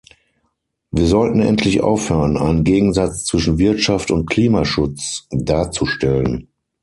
Wir sollten endlich aufhören, einen Gegensatz zwischen Wirtschaft und Klimaschutz darzustellen.